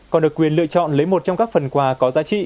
còn được quyền lựa chọn lấy một trong các phần quà có giá trị